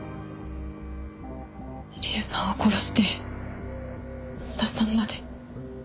入江さんを殺して松田さんまで。